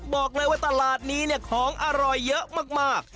บอกเลยว่าตลาดนี้เนี่ยของอร่อยเยอะมาก